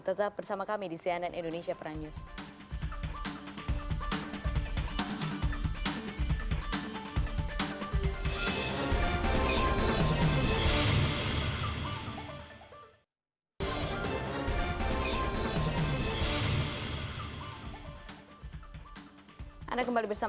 tetap bersama kami